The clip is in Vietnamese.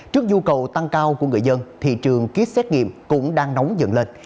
trước nhu cầu tăng cao của người dân thị trường kit xét nghiệm cũng đang nóng dần lên